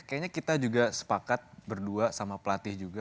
kayaknya kita juga sepakat berdua sama pelatih juga